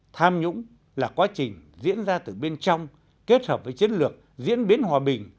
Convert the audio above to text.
tham nhũng là quá trình diễn ra từ bên trong kết hợp với chiến lược diễn biến hòa bình